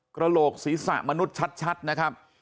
กระโหลกศีรษะมนุษย์ชัดนะครับ